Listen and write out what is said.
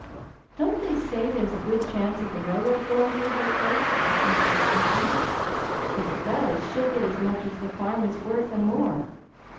"Don't they say there's a good chance of the railroad goin' through her place?" asked Mrs. Robinson. "If it does, she'll git as much as the farm is worth and more.